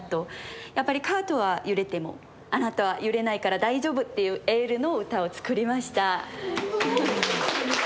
やっぱりカートは揺れてもあなたは揺れないから大丈夫っていうエールの歌を作りました。